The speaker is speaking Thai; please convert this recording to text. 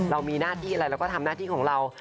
เรามีหน้าที่อะไรเราก็ทำหน้าที่ของเรา